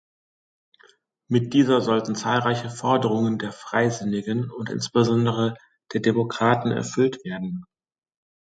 Mit dieser sollten zahlreiche Forderungen der Freisinnigen und insbesondere der Demokraten erfüllt werden.